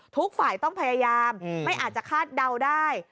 ทุกฝ่ายต้องพยายามไม่อาจจะคาดเดาได้